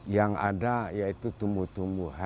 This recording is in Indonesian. yang ada yaitu tumbuh tumbuhan